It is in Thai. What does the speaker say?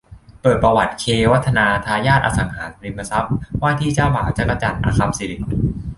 เปิดประวัติ เค วัฒนา ทายาทอสังหาริมทรัพย์ ว่าที่เจ้าบ่าว จั๊กจั่น อคัมย์สิริ